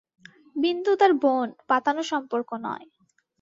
বিন্দু তার বোন, পাতানো সম্পর্ক নয়।